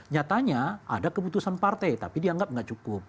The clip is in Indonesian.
nyatanya ada keputusan partai tapi dianggap tidak cukup